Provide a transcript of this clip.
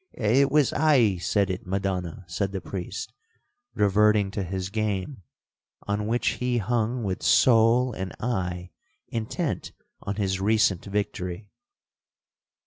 '—'It was I said it, Madonna,' said the priest, reverting to his game, on which he hung with soul and eye intent on his recent victory.